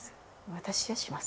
私はします。